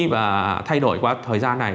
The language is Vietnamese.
và thay đổi qua thời gian này